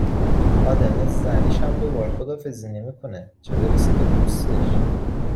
آدم از زنشم دوبار خداحافظی نمیکنه چه برسه به دوستش